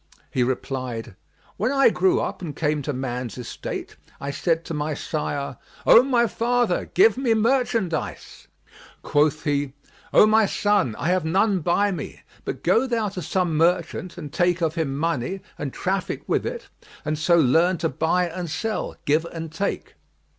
He replied, "When I grew up and came to man's estate, I said to my sire, 'O my father, give me merchandise.' Quoth he, 'O my son, I have none by me; but go thou to some merchant and take of him money and traffic with it; and so learn to buy and sell, give and take.'